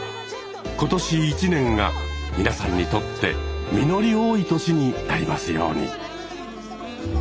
今年一年が皆さんにとって実り多い年になりますように。